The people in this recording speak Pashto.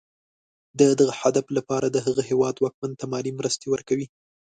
د دغه هدف لپاره د هغه هېواد واکمن ته مالي مرستې ورکوي.